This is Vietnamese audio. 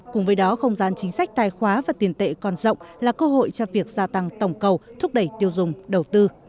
cùng với đó không gian chính sách tài khoá và tiền tệ còn rộng là cơ hội cho việc gia tăng tổng cầu thúc đẩy tiêu dùng đầu tư